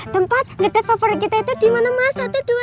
tempat ngedet favorit kita itu dimana mas